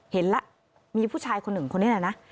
เห็นแล้วมีผู้ชายคนหนึ่งคนนี้แหละนะ